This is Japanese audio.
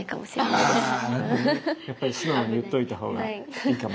あなるほどね。やっぱり素直に言っといた方がいいかも。